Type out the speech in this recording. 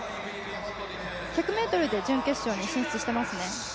１００で準決勝に出場していますね。